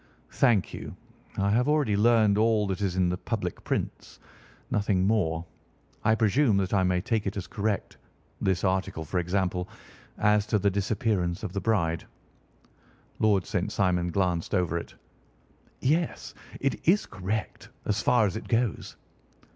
"Thank you. I have already learned all that is in the public prints, nothing more. I presume that I may take it as correct—this article, for example, as to the disappearance of the bride." Lord St. Simon glanced over it. "Yes, it is correct, as far as it goes."